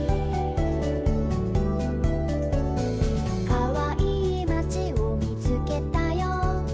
「かわいいまちをみつけたよ」